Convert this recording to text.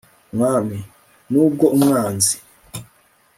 mwami. n'ubwo umwanzi